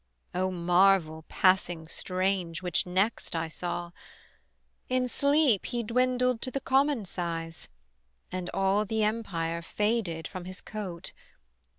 O marvel passing strange which next I saw: In sleep he dwindled to the common size, And all the empire faded from his coat.